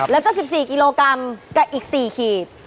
แล้วก็๑๔กิโลกรัมกับอีก๔ขีด